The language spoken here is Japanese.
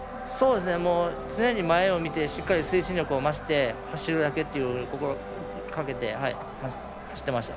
常に前を見てしっかり推進力を増して走るだけと心がけて走りました。